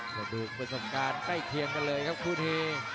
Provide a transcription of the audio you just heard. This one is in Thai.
กระดูกประสบการณ์ใกล้เคียงกันเลยครับคู่นี้